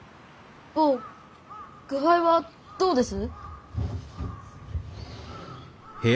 坊具合はどうです？